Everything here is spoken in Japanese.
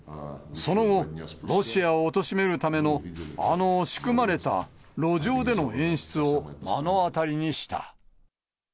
その後、ロシアをおとしめるためのあの仕組まれた路上での演出を目の当たりにした。